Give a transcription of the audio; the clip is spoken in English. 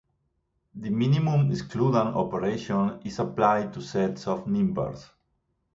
The minimum excludant operation is applied to sets of nimbers.